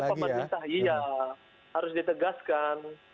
tapi sebenarnya pemerintah iya harus ditegaskan